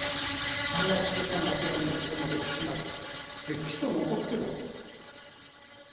こんな小さなお寺にもその歴史がれっきと残ってるわけだ。